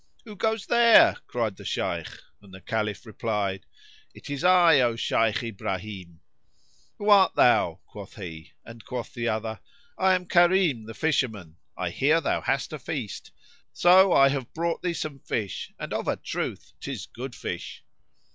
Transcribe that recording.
"Who goes there?" cried the Shaykh and the Caliph replied, "It is I, O Shaykh Ibrahim!" "Who art thou," quoth he, and quoth the other, "I am Karim the fisherman: I hear thou hast a feast, so I have brought thee some fish, and of a truth 'tis good fish."